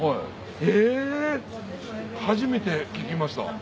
へぇ初めて聞きました。